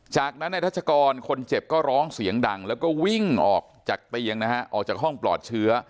จากนั้นนายทัชกรคนเจ็บก็ร้องเสียงดังแล้วก็วิ่งออกจากเตียงนะฮะออกจากห้องปลอดเชื้อ